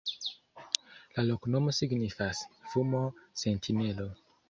La loknomo signifas: fumo-sentinelo.